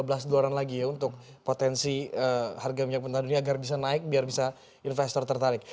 jadi itu harus di luar lagi ya untuk potensi harga minyak pentas dunia agar bisa naik biar bisa investor tertarik